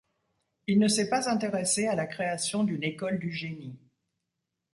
Il ne s'est pas intéressé à la création d'une école du génie.